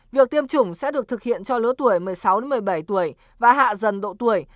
việc tiêm chủng sẽ được thực hiện cho lứa tuổi một mươi sáu một mươi bảy tuổi và hạ dần độ tuổi